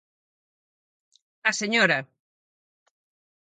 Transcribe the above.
A señora.